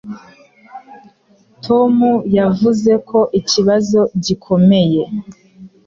Tom yavuze ko ikibazo gikomeye.